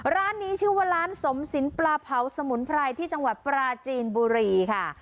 ร้านนี้ชื่อว่าร้านสมสินปลาเผาสมุนไพรที่จังหวัดปราจีนบุรีค่ะ